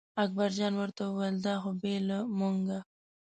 اکبرجان ورته وویل دا خو بې له مونږه.